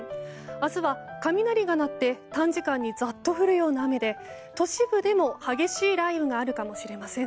明日は、雷が鳴って短時間にざっと降るような雨で都市部でも激しい雷雨があるかもしれません。